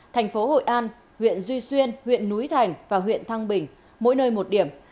thành phố hội an huyện duy xuyên huyện núi thành và huyện thăng bình mỗi nơi một điểm